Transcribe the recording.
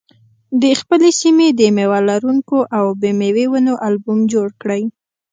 د خپلې سیمې د مېوه لرونکو او بې مېوې ونو البوم جوړ کړئ.